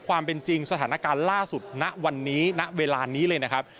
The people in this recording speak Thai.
ความเป็นจริงสถานการณ์ล่าสุดณวันนี้ณเวลานี้เลยนะครับ